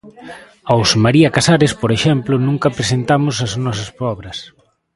Aos María Casares, por exemplo, nunca presentamos as nosas obras.